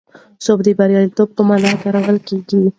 سوب د بریالیتوب په مانا کارول کېږي.